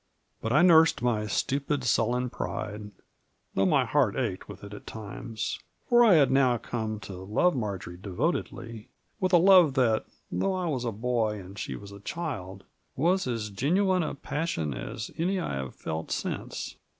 But I nursed my stupid, sullen pride, though my heart ached with it at times. For I had now come to love Marjory devotedly, with a love that, though I was a boy and she was a child, was as genuine a passion as any I have felt since.